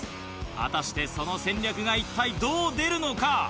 果たしてその戦略が一体どう出るのか？